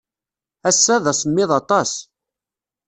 Ass-a, d asemmiḍ aṭas.